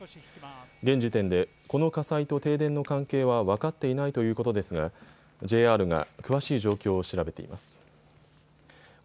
現時点で、この火災と停電の関係は分かっていないということですがＪＲが詳しい状況を調べています。